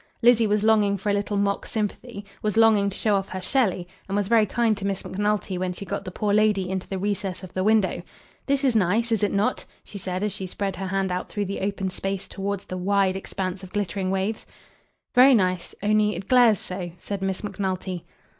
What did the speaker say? Lizzie was longing for a little mock sympathy, was longing to show off her Shelley, and was very kind to Miss Macnulty when she got the poor lady into the recess of the window. "This is nice; is it not?" she said, as she spread her hand out through the open space towards the "wide expanse of glittering waves." "Very nice, only it glares so," said Miss Macnulty.